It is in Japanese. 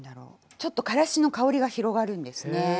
ちょっとからしの香りが広がるんですね。